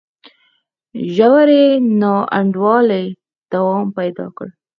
ژورې نا انډولۍ دوام پیدا کړ.